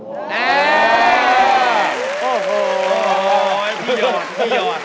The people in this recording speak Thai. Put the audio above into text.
โอ้โหพี่ยอด